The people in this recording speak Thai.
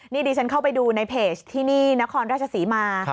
นี่ดิฉันเข้าไปดูในเพจที่นี่นครราชศรีมา